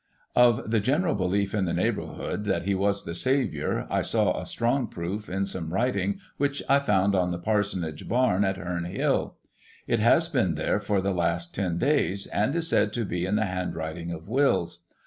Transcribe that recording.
" Of the general belief in the neighbourhood that he was the Saviour, I saw a strong proof in some writing which I found on the parsonage barn at Heme Hill. It has been there for the last ten days, and is said to be in the hand writing of Wills.